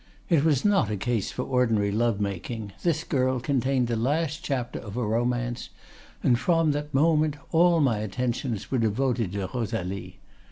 It was not a case for ordinary love making; this girl contained the last chapter of a romance, and from that moment all my attentions were devoted to Rosalie.